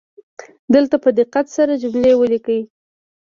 دلته په دقت سره جملې ولیکئ